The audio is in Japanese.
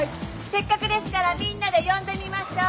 せっかくですからみんなで呼んでみましょう！